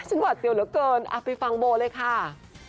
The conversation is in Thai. ให้ฉันหวัดเดียวเหลือเกินเอาไปฟังโวเลยค่ะ